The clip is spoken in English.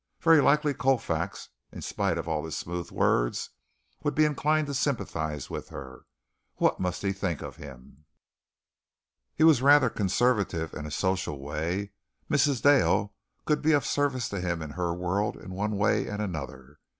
Very likely Colfax, in spite of all his smooth words, would be inclined to sympathize with her. What must he think of him? He was rather conservative in a social way. Mrs. Dale could be of service to him in her world in one way and another.